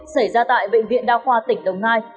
xảy ra tại bệnh viện đa khoa tỉnh đồng nai